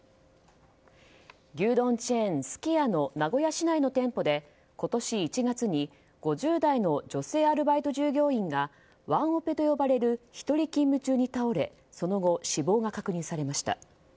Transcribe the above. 牛丼チェーンのすき家の名古屋市内の店舗で今年１月に５０代の女性アルバイト従業員がワンオペと呼ばれる１人勤務中に倒れその後、死亡が確認されました。